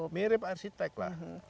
mirip arsitek lah